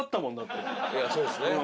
いやそうですね。